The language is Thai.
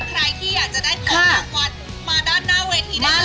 ใครที่อยากจะได้เงินรางวัลมาด้านหน้าเวทีได้